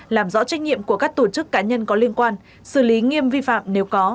làm rõ trách nhiệm của các tổ chức cá nhân có liên quan xử lý nghiêm vi phạm nếu có